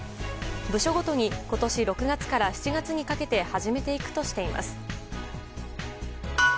部署ごとに今年６月から７月にかけて始めていくとしています。